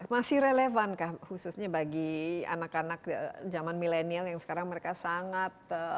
masih relevan khususnya bagi anak anak zaman milenial yang sekarang mereka sangat